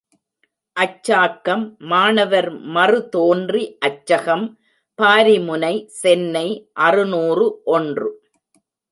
அச்சாக்கம் மாணவர் மறுதோன்றி அச்சகம், பாரிமுனை, சென்னை அறுநூறு ஒன்று.